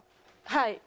はい。